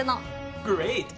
グレイト！